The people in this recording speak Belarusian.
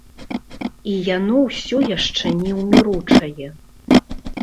І яно ўсё яшчэ неўміручае.